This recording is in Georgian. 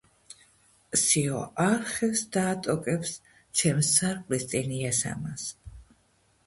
სიო არხევს და ატოკებს ჩემს სარკმლის წინ იასამანს